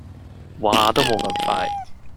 話都冇咁快